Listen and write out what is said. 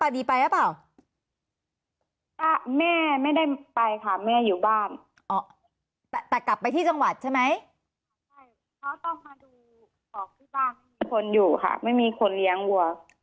เขาต้องมาดูของที่บ้านมีคนอยู่ค่ะไม่มีคนเลี้ยงวัว